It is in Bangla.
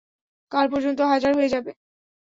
কাল পর্যন্ত হাজার হয়ে যাবে।